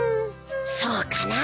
そうかなぁ。